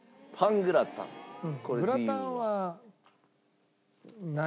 グラタンはない。